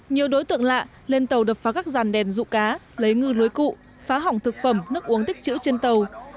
nhiều đối tượng lạ lên tàu đập phá các ràn đèn rụ cá lấy ngư lưới cụ phá hỏng thực phẩm nước uống tích chữ trên tàu